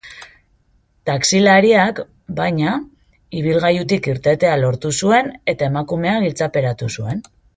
Taxilariak, baina, ibilgailutik irtetea lortu zuen eta emakumea giltzaperatu zuen.